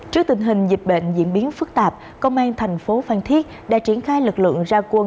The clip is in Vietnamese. trước tình hình dịch bệnh diễn biến phức tạp công an thành phố phan thiết đã triển khai lực lượng ra quân